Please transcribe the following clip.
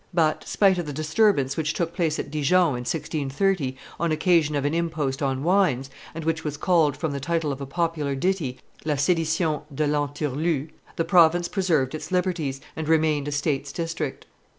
But, spite of the disturbance which took place at Dijon, in 1630, on occasion of an impost on wines, and which was called, from the title of a popular ditty, la Sedition de Lanturlu, the province preserved its liberties, and remained a states district.